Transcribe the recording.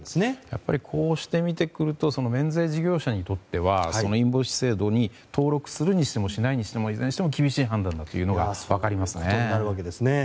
やっぱりこうして見てみると免税事業者にとってはインボイス制度に登録するにしてもしないにしても厳しい判断だというのが分かりますね。